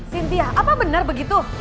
sintia apa benar begitu